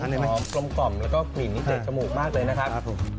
สว้างหรอมกลมแล้วก็กลิ่นที่เจ็ดชมูกมากเลยนะครับ